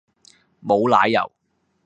無奶油